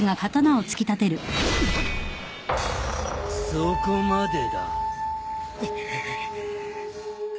そこまでだ。